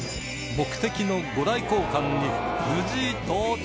目的の御来光館に無事到着